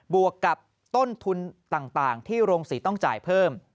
วกกับต้นทุนต่างที่โรงศรีต้องจ่ายเพิ่ม